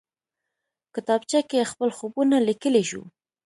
کتابچه کې خپل خوبونه لیکلی شو